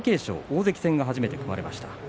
大関戦が初めて組まれました。